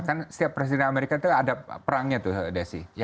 kan setiap presiden amerika itu ada perangnya tuh desi